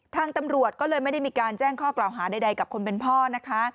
ทางตำรวจก็เลยไม่ได้มีการแจ้งข้อกล่าวหาใดกับคนเป็นพ่อนะคะ